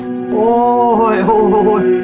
ตอนประมาณเที่ยงคืนค่ะ